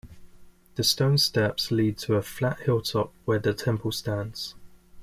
The stone steps lead to a flat hilltop where the temple stands.